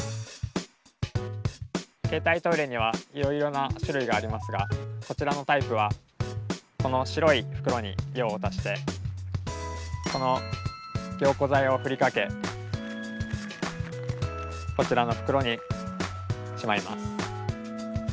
携帯トイレにはいろいろな種類がありますがこちらのタイプはこの白い袋に用を足してこの凝固剤を振りかけこちらの袋にしまいます。